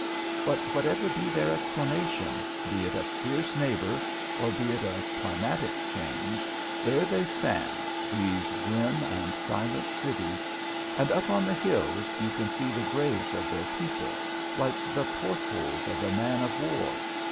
But whatever be their explanation, be it a fierce neighbour, or be it a climatic change, there they stand, these grim and silent cities, and up on the hills you can see the graves of their people, like the port holes of a man of war.